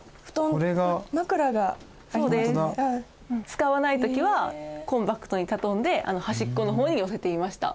使わない時はコンパクトに畳んで端っこの方に寄せていました。